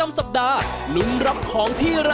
ออกออกออกออกออกออกออกออก